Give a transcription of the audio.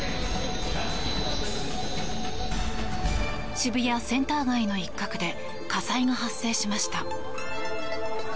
渋谷センター街の一角で火災が発生しました。